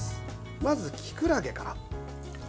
まず、きくらげから。